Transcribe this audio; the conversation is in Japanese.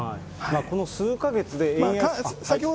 この数か月で。